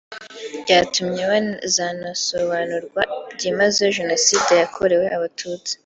byatumye hazanasobanurwa byimazeyo Jenoside yakorewe Abatutsi